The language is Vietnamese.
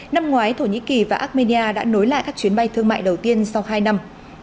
năm ngoái thổ nhĩ kỳ và armenia đã nối lại các chuyến bay thương mại đầu tiên sau hai năm